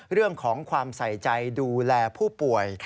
เรื่องของความใส่ใจดูแลผู้ป่วย